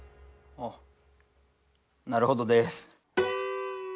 あなるほどです。